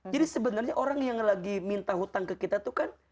jadi sebenarnya orang yang lagi minta hutang ke kita tuh kan